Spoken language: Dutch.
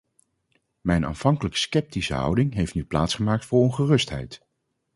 Mijn aanvankelijk sceptische houding heeft nu plaatsgemaakt voor ongerustheid.